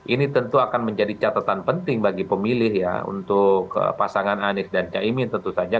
ini tentu akan menjadi catatan penting bagi pemilih ya untuk pasangan anies dan caimin tentu saja